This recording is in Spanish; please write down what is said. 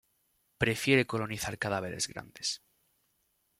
Prefiere colonizar cadáveres grandes.